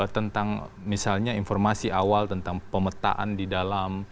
tentang misalnya informasi awal tentang pemetaan di dalam